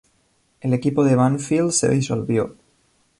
El equipo de Banfield se disolvió.